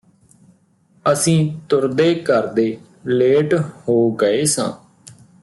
ਅਸੀਂ ਤੁਰਦੇ ਕਰਦੇ ਲੇਟ ਹੋ ਗਏ ਸਾਂ